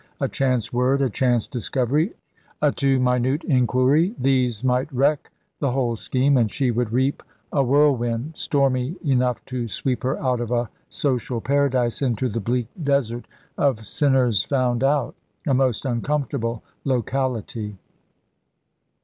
A chance word, a chance discovery, a too minute inquiry these might wreck the whole scheme, and she would reap a whirlwind, stormy enough to sweep her out of a social paradise into the bleak desert of Sinners found out. A most uncomfortable locality.